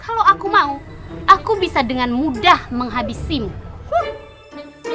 kalau aku mau aku bisa dengan mudah menghabisimu